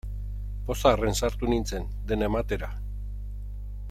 Pozarren sartu nintzen, dena ematera.